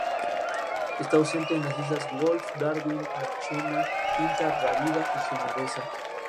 Su cara anterior es cubierta por el tendón de inserción del dorsal ancho.